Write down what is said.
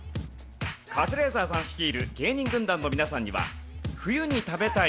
カズレーザーさん率いる芸人軍団の皆さんには冬に食べたい！